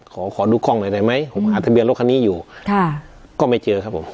ขอขอดูกล้องหน่อยได้ไหมผมหาทะเบียนรถคันนี้อยู่ค่ะก็ไม่เจอครับผม